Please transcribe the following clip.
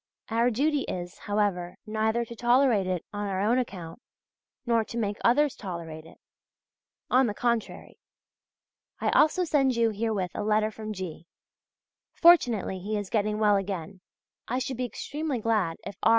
Our duty is, however, neither to tolerate it on our own account, nor to make others tolerate it; on the contrary. I also send you herewith a letter from G.; fortunately he is getting well again. I should be extremely glad if R.